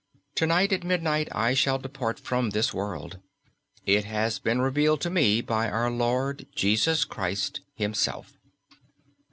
To night at midnight I shall depart from this world; it has been revealed to me by our Lord Jesus Christ Himself."